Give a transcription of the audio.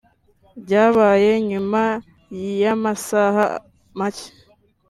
Byabaye nyuma y’amasaha make